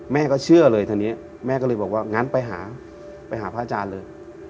แม่ก็เชื่อเลยทีนี้แม่ก็เลยบอกว่างั้นไปหาไปหาพระอาจารย์เลย